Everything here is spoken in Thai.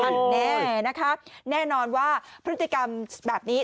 แน่นะคะแน่นอนว่าพฤติกรรมแบบนี้